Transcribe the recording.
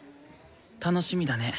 楽しみだね。